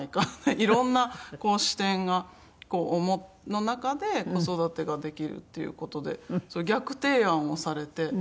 いろんな視点の中で子育てができるっていう事で逆提案をされて。